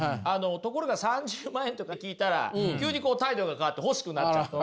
ところが３０万円とか聞いたら急に態度が変わって欲しくなっちゃった。